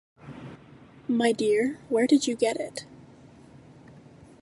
My dear, where did you get it?